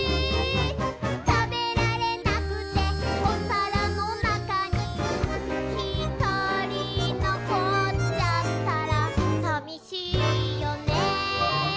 「たべられなくて」「ルールー」「おさらのなかに」「ルールー」「ひとりのこっちゃったら」「さみしいよね」